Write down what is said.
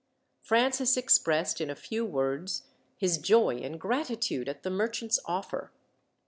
Francis expressed, in a few words, his joy and gratitude at the merchant's offer.